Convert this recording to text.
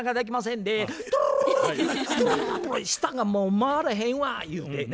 舌がもう回らへんわ言うてね。